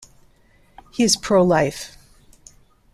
He is pro-life.